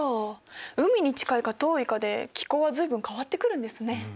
海に近いか遠いかで気候は随分変わってくるんですね。